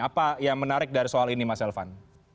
apa yang menarik dari soal ini mas elvan